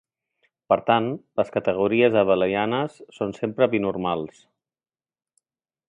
Per tant, les categories abelianes són sempre binormals.